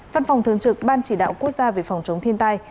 văn phòng thường trực ban chỉ đạo quốc gia về phòng chống thiên tai